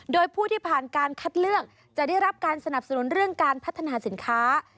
โดยผู้ที่ผ่านการคัดเลือกจะได้รับการสนับสนุนเรื่องการพัฒนาสินค้า